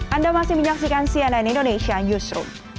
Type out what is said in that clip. anda masih menyaksikan cnn indonesia newsroom